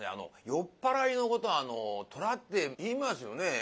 酔っ払いのことを「虎」って言いますよね？